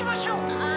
ああ。